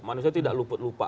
manusia tidak lupa lupa